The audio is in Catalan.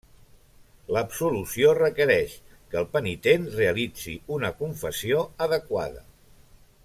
L'absolució requereix que el penitent realitzi una confessió adequada.